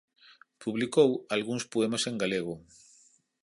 Publicou algúns poemas en galego.